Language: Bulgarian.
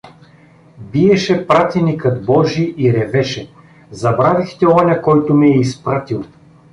Биеше пратеникът божи и ревеше: — Забравихте оня, който ме е изпратил!